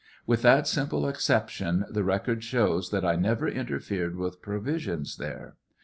With that simple exception the record shows that I never interfered with provisions there.